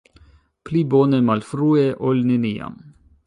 Pli bone malfrue, ol neniam.